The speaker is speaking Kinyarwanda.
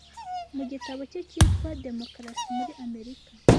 Mu gitabo cye cyitwa Demokarasi muri Amerika",